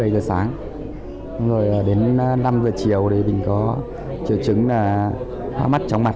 chín một mươi giờ sáng rồi đến năm giờ chiều thì mình có triệu chứng là hoa mắt tróng mặt